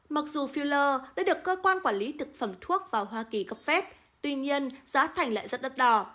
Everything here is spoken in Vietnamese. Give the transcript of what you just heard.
mặc dù filler đã được cơ quan quản lý thực phẩm thuốc vào hoa kỳ cấp phép tuy nhiên giá thành lại rất đắt đỏ